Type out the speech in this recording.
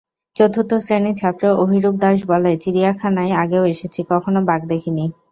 চতুর্থ শ্রেণির ছাত্র অভিরূপ দাশ বলে, চিড়িয়াখানায় আগেও এসেছি, কখনো বাঘ দেখিনি।